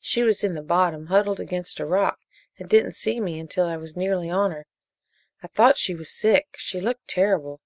"She was in the bottom, huddled against a rock, and didn't see me until I was nearly on her. I thought she was sick she looked terrible."